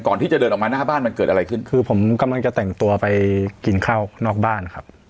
ก่อนที่จะเดินออกมาหน้าบ้านมันเกิดอะไรขึ้นคือผมกำลังจะแต่งตัวไปกินข้าวนอกบ้านครับ